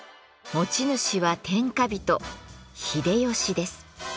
持ち主は天下人秀吉です。